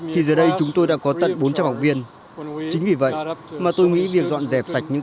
thì giờ đây chúng tôi đã có tận bốn trăm linh học viên chính vì vậy mà tôi nghĩ việc dọn dẹp sạch những